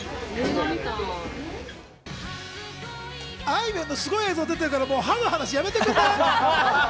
あいみょんのすごい映像、始まってるから、もう歯の話、やめてくれない？